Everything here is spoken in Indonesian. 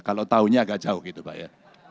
kalau tahunya agak jauh gitu pak ya